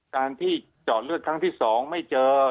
การที่จอดเลือดครั้งที่๒ไม่เจอ